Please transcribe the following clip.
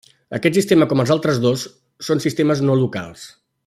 Aquest sistema com els altres dos són sistemes no locals.